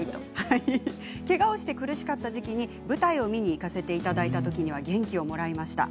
けがをして苦しかった時期に舞台を見に行かせていただいた時には元気をもらいました。